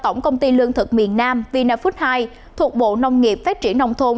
tổng công ty lương thực miền nam vina food hai thuộc bộ nông nghiệp phát triển nông thôn